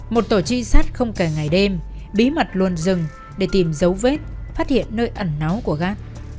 một tổ trinh sát không kể ngày đêm bí mật luôn dừng để tìm dấu vết phát hiện nơi ẩn náu của gác